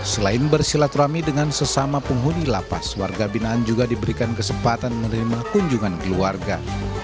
selain bersilaturahmi dengan sesama penghuni lapas warga binaan juga diberikan kesempatan menerima kunjungan keluarga